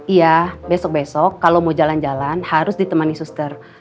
iya besok besok kalau mau jalan jalan harus ditemani suster